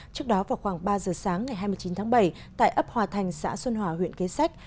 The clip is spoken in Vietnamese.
trước đó vào khoảng ba giờ sáng ngày hai mươi chín tháng bảy tại ấp hòa thành xã xuân hòa huyện kế sách